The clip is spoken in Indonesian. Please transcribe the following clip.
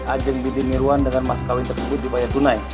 ajeng bidik mirwan dengan mas kawin tersebut di baya tunai